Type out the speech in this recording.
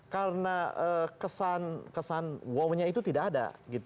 karena kesan wow nya itu tidak ada